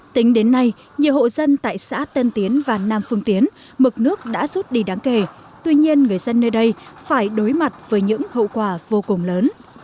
tính đến nay nhiều hộ dân tại xã tân tiến và nam phương tiến mực nước đã rút đi đáng kể tuy nhiên người dân nơi đây phải đối mặt với những hậu quả vô cùng lớn